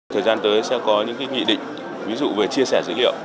thời gian tới sẽ có những nghị định ví dụ về chia sẻ dữ liệu